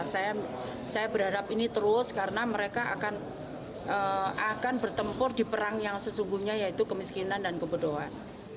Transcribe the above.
saya berharap ini terus karena mereka akan bertempur di perang yang sesungguhnya yaitu kemiskinan dan kebodohan